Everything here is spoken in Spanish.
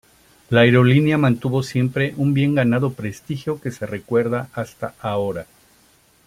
La aerolínea mantuvo siempre un bien ganado prestigio que se recuerda hasta ahora.